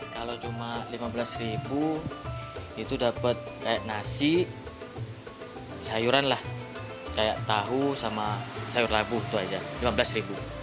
kalau cuma lima belas ribu itu dapat kayak nasi sayuran lah kayak tahu sama sayur labuh itu aja lima belas ribu